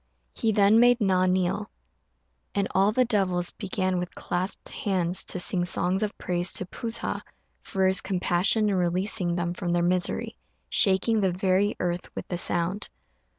He then made Na kneel, and all the devils began with clasped hands to sing songs of praise to P'u sa for his compassion in releasing them from their misery, shaking the very earth with the sound.